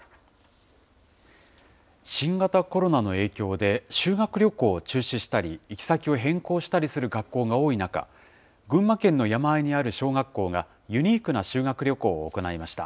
新型コロナの影響で、修学旅行を中止したり、行き先を変更したりする学校が多い中、群馬県の山あいにある小学校が、ユニークな修学旅行を行いました。